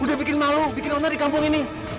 udah bikin malu bikin owner di kampung ini